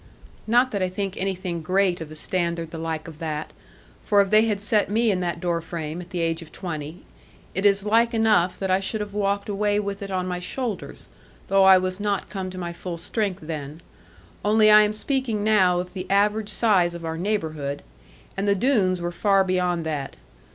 Not that I think anything great of a standard the like of that: for if they had set me in that door frame at the age of twenty, it is like enough that I should have walked away with it on my shoulders, though I was not come to my full strength then: only I am speaking now of the average size of our neighbourhood, and the Doones were far beyond that.